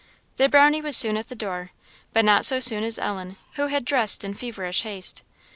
The Brownie was soon at the door, but not so soon as Ellen, who had dressed in feverish haste.